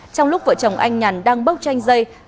trong lúc vợ chồng anh nhàn đang bốc tranh dây